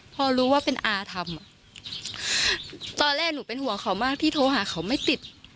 พอรู้ว่าเป็นอาทำตอนแรกหนูเป็นห่วงเขามากที่โทรหาเขาไม่ติด